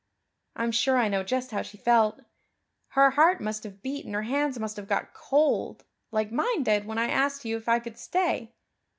I'm sure I know just how she felt. Her heart must have beat and her hands must have got cold, like mine did when I asked you if I could stay.